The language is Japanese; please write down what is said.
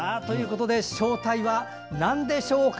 正体はなんでしょうか。